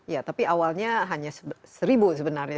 ya tapi awalnya hanya rp satu sebenarnya